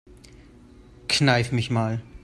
Kneif mich mal.